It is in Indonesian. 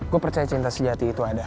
gue percaya cinta sejati itu ada